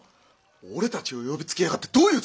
俺たちを呼びつけやがってどういうつもりだ！